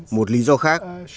một lý do khác